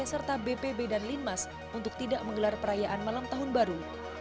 serta bpb dan linmas untuk tidak menggelar perayaan malam tahun baru